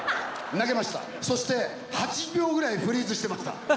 そして８秒ぐらいフリーズしてました。